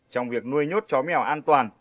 trong việc nuôi nhốt chó mèo an toàn